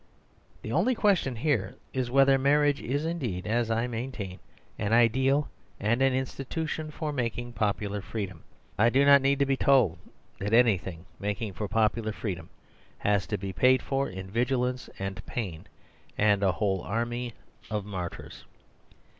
The only question here is whether marriage is indeed, as I maintain, an ideal and an institution making for popu lar freedom ; I do not need to be told that any thing making for popular freedom has to be paid for in vigilance and pain, and a whole army of martyrs.